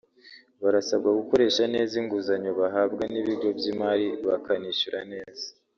barasabwa gukoresha neza inguzanyo bahabwa n’ibigo by’imari bakanishyura neza